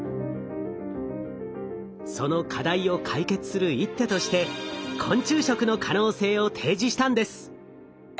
その課題を解決する一手として昆虫食の可能性を提示したんです。